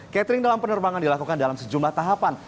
catering dalam penerbangan dilakukan dalam sejumlah tahapan